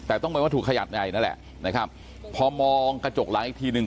แต่ต้องหมายว่าถูกขยัดใดนั่นแหละนะครับพอมองกระจกล้างอีกทีหนึ่ง